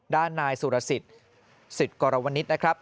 ด้านนายสุรสิทธิ์สิทธิ์กรวนิษฐ์นะครับ